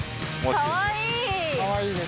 かわいい。